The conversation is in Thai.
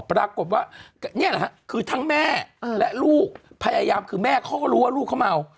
ปรากฏว่านี่แหละฮะคือทั้งแม่และลูกพยายามคือแม่เขาก็รู้ว่าลูกเขาเมา